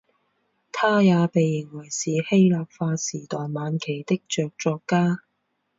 他也被认为是希腊化时代晚期的着作家。